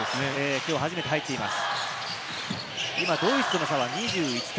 きょう初めて入っています。